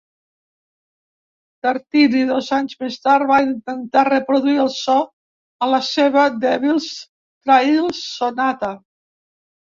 Tartini, dos anys més tard, va intentar reproduir el so a la seva "Devil's Trill Sonata".